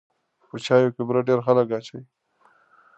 په چای کې بوره ډېر خلک اچوي.